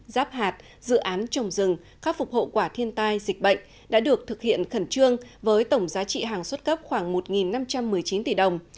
giáp hạt dự án trồng rừng khắc phục hậu quả thiên tai dịch bệnh đã được thực hiện khẩn trương với tổng giá trị hàng xuất cấp khoảng một năm trăm một mươi chín tỷ đồng